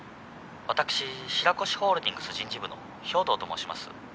私白越ホールディングス人事部の兵頭と申します。